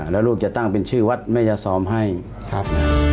แล้วลูกจะตั้งเป็นชื่อวัดแม่ยาซอมให้ครับ